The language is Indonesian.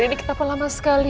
ini ketapa lama sekali